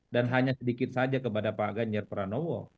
dan hanya sedikit saja kepada pak ganjar pranowo